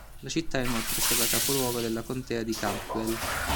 La città inoltre è stata capoluogo della contea di Campbell.